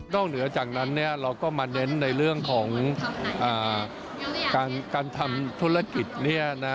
เหนือจากนั้นเราก็มาเน้นในเรื่องของการทำธุรกิจ